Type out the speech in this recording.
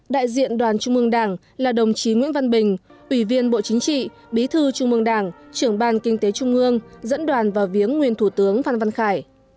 đại diện đoàn trung mương đảng là đồng chí nguyễn văn bình ủy viên bộ chính trị bí thư trung mương đảng trưởng ban kinh tế trung ương dẫn đoàn vào viếng nguyên thủ tướng phan văn khải